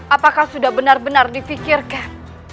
apakah sudah benar benar dipikirkan